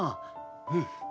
うん。